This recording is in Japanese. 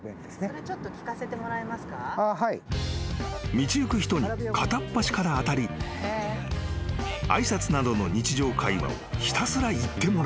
［道行く人に片っ端から当たり挨拶などの日常会話をひたすら言ってもらう］